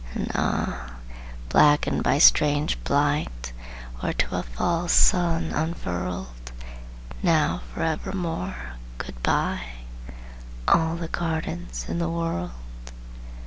And, ah, blackened by strange blight, Or to a false sun unfurled, Now forevermore goodbye, All the gardens in the world!